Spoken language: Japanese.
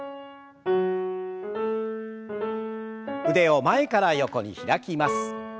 腕を前から横に開きます。